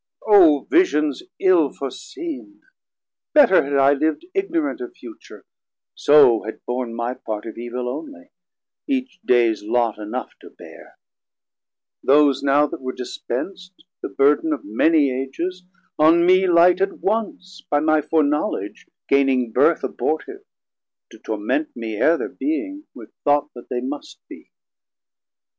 O Visions ill foreseen! better had I Liv'd ignorant of future, so had borne 760 My part of evil onely, each dayes lot Anough to bear; those now, that were dispenst The burd'n of many Ages, on me light At once, by my foreknowledge gaining Birth Abortive, to torment me ere thir being, With thought that they must be.